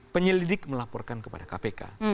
penyelidik melaporkan kepada kpk